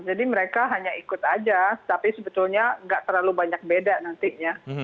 jadi mereka hanya ikut saja tapi sebetulnya tidak terlalu banyak beda nantinya